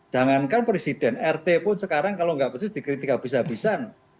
jangankan presiden rt pun sekarang kalau nggak bersih dikritik habis habisan